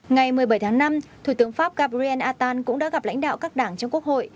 ngày một mươi bảy tháng năm thủ tướng pháp gabriel attan cũng đã gặp lãnh đạo các đảng trong quốc hội